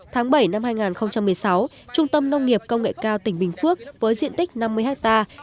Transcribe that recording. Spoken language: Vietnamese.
tháng bảy năm hai nghìn một mươi sáu trung tâm nông nghiệp công nghệ cao tỉnh bình phước với diện tích năm mươi hectare